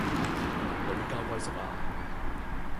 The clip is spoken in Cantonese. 你依家龜縮呀？